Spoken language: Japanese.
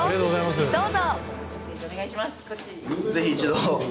どうぞ！